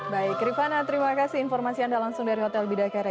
baik rifana terima kasih informasi anda langsung dari hotel bidakari